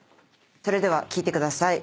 それでは聴いてください。